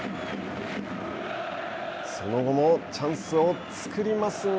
その後もチャンスを作りますが